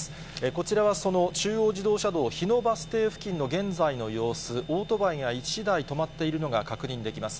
こちらはその中央自動車道日野バス停付近の現在の様子、オートバイが１台止まっているのが確認できます。